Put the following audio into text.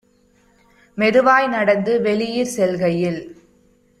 மெதுவாய் நடந்து வெளியிற் செல்கையில்